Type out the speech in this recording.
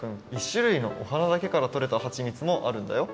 １しゅるいのお花だけからとれたはちみつもあるんだよ。